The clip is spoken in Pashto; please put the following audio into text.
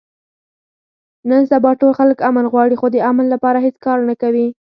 نن سبا ټول خلک امن غواړي، خو د امن لپاره هېڅ کار نه کوي.